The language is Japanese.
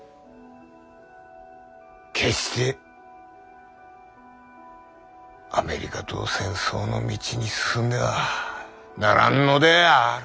決してアメリカと戦争の道に進んではならんのである。